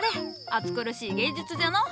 暑苦しい芸術じゃのう。